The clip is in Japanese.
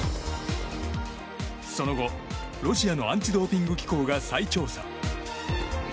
その後、ロシアのアンチドーピング機構が再調査。